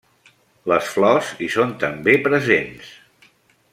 Les flors hi són també presents.